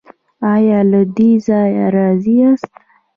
ایا له دې ځای راضي یاست؟